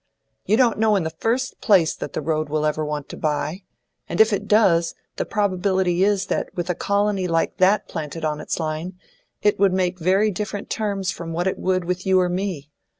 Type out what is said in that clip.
You don't know in the first place that the Road will ever want to buy; and if it does, the probability is that with a colony like that planted on its line, it would make very different terms from what it would with you or me.